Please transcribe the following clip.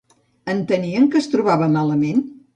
Entenien que es trobava malament?